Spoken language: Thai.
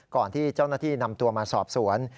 ก่อนที่เจ้าหน้าที่นำตัวมาสอบสวน